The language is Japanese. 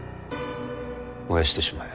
燃やしてしまえ。